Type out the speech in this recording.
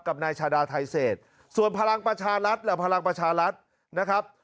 นายชาดาไทเศษส่วนพลังประชารัฐและพลังประชารัฐนะครับ